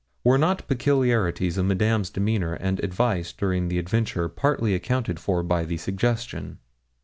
Were not peculiarities of Madame's demeanour and advice during the adventure partly accounted for by the suggestion?